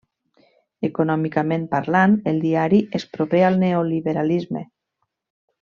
Econòmicament parlant el diari és proper al neoliberalisme.